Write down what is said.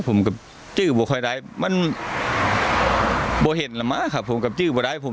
ผมก็จืบบุคล้ายได้มันไม่เห็นละมะครับผมก็จืบบุคล้ายผม